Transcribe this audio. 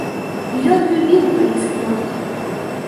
Ён любіў, калі сходкі.